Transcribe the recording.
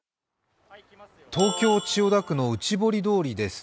東京・千代田区の内堀通りです。